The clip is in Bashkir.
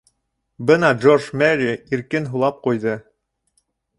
Бына Джордж Мерри иркен һулап ҡуйҙы.